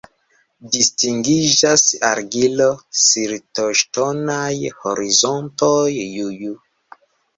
Distingiĝas argilo-siltoŝtonaj horizontoj Ju-Ju.